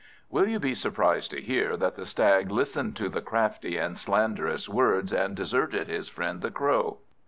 Will you be surprised to hear that the Stag listened to the crafty and slanderous words, and deserted his friend the Crow?